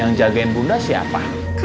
yang jagain bunda siapa